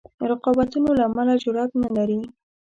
رقابتونو له امله جرأت نه لري.